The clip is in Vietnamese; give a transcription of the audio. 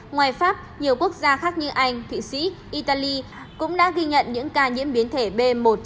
ngoài pháp nhiều quốc gia khác như anh thụy sĩ italy cũng đã ghi nhận những ca nhiễm biến thể b một sáu trăm bốn mươi